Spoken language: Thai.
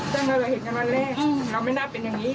ซึ่งเราจะเห็นกันวันแรกเราไม่น่าเป็นอย่างนี้